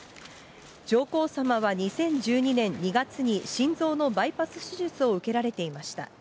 上皇さまは２０１２年２月に心臓のバイパス手術を受けられていました。